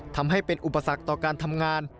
ทำให้เป็นอุปสรรคต่อการทำงาน